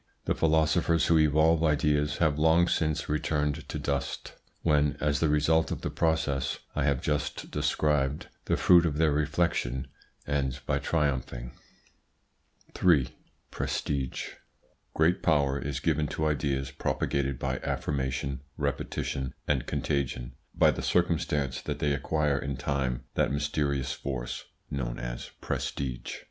The philosophers who evolve ideas have long since returned to dust, when, as the result of the process I have just described, the fruit of their reflection ends by triumphing. 3. PRESTIGE Great power is given to ideas propagated by affirmation, repetition, and contagion by the circumstance that they acquire in time that mysterious force known as prestige.